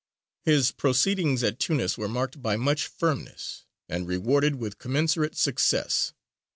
His proceedings at Tunis were marked by much firmness, and rewarded with commensurate success.